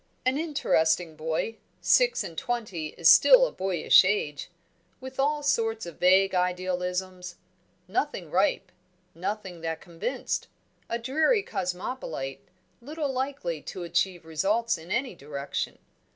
An interesting boy six and twenty is still a boyish age with all sorts of vague idealisms; nothing ripe; nothing that convinced; a dreary cosmopolite, little likely to achieve results in any direction.